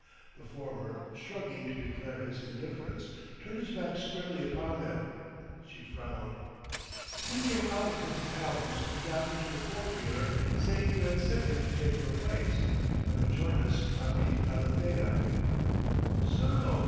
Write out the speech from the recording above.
The former, shrugging to declare his indifference, turned his back squarely upon them. She frowned. "He came out of Mrs. Hallam's and got into the four wheeler, saying you had sent him to take your place, and would join us on the Alethea." "So o!